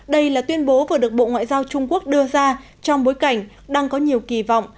đây là tuyên bố vừa được bộ ngoại giao trung quốc đưa ra trong bối cảnh đang có nhiều kỳ vọng